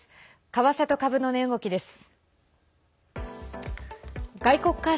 為替と株の値動きです。